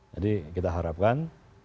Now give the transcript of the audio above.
jadi kita harapkan